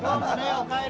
おかえり。